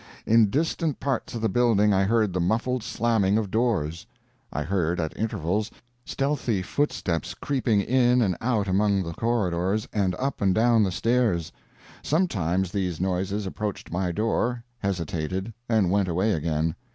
In distant parts of the building I heard the muffled slamming of doors. I heard, at intervals, stealthy footsteps creeping in and out among the corridors, and up and down the stairs. Sometimes these noises approached my door, hesitated, and went away again.